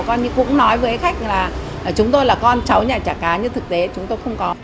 con cũng nói với khách là chúng tôi là con cháu nhà chả cá nhưng thực tế chúng tôi không có